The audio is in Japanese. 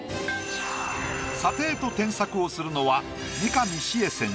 査定と添削をするのは。